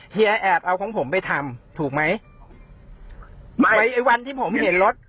เฮียแอบเอาของผมไปทำถูกไหมไอ้วันที่ผมเห็นรถ